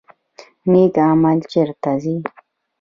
نیک عمل چیرته ځي؟